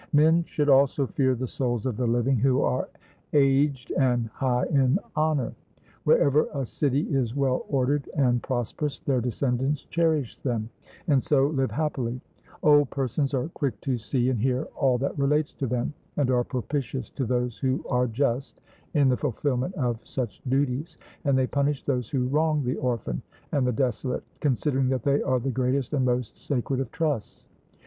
Men should also fear the souls of the living who are aged and high in honour; wherever a city is well ordered and prosperous, their descendants cherish them, and so live happily; old persons are quick to see and hear all that relates to them, and are propitious to those who are just in the fulfilment of such duties, and they punish those who wrong the orphan and the desolate, considering that they are the greatest and most sacred of trusts.